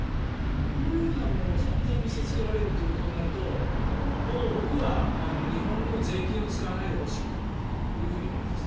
こういうふうなものを散々、見せつけられるということになるともう僕は日本の税金を使わないでほしいと思います。